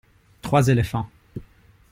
Trois éléphants.